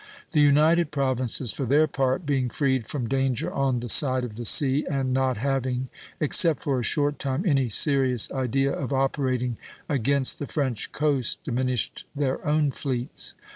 The United Provinces for their part, being freed from danger on the side of the sea, and not having, except for a short time, any serious idea of operating against the French coast, diminished their own fleets.